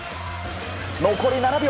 残り７秒。